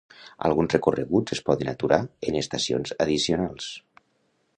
Alguns recorreguts es poden aturar en estacions addicionals.